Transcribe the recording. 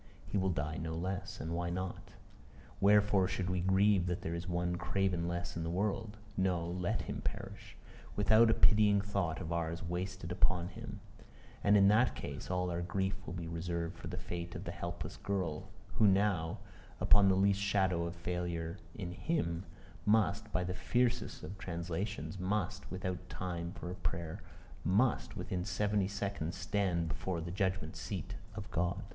He will die no less: and why not? Wherefore should we grieve that there is one craven less in the world? No; let him perish, without a pitying thought of ours wasted upon him; and, in that case, all our grief will be reserved for the fate of the helpless girl, who now, upon the least shadow of failure in him, must, by the fiercest of translations must, without time for a prayer must, within seventy seconds, stand before the judgment seat of God.